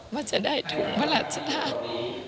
ว่าจะได้ถุงพระราชทาน